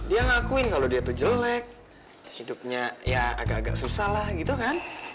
dia ngakuin kalau dia tuh jelek hidupnya ya agak agak susah lah gitu kan